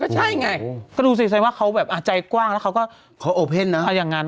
สิบใจว่าเขาจัยกว้าง